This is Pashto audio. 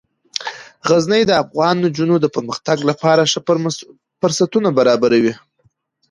غزني د افغان نجونو د پرمختګ لپاره ښه فرصتونه برابروي.